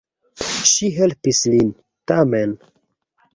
Ŝi helpis lin, tamen.